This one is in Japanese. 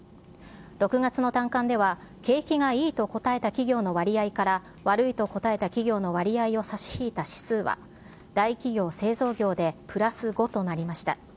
６月の短観では、景気がいいと答えた企業の割合から悪いと答えた企業の割合を差し引いた指数は、大企業・製造業でプラス５となりました。